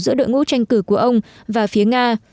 giữa đội ngũ tranh cử của ông và phía nga